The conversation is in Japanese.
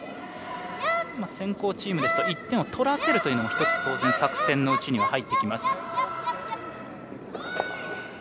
先攻チームだと１点を取らせるというのも１つ当然、作戦のうちには入ってきます。